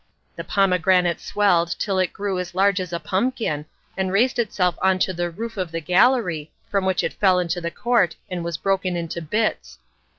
The pomegranate swelled till it grew as large as a pumpkin, and raised itself on to the roof of the gallery, from which it fell into the court and was broken into bits.